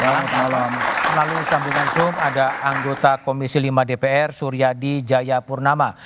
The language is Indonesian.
lalu sambungan zoom ada anggota komisi lima dpr suriadi jayapurnama